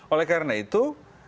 oleh karena itu